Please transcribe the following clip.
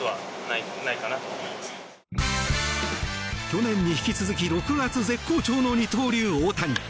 去年に引き続き６月絶好調の二刀流・大谷。